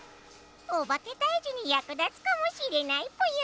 オバケたいじにやく立つかもしれないぽよ。